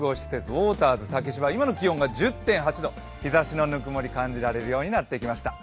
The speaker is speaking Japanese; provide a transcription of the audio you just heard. ウォーターズ竹芝、今の気温が１０．８度東の気温が感じられるようになってきました。